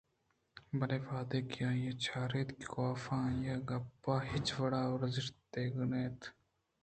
بلئے وہدے کہ آئیءَ چاراِت کہ کاف آئی ءِ گپاں ہچ وڑا ارزشت دیگءَ نہ اِنت